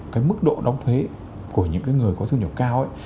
cái mức độ đóng thuế của những người có thu nhập cao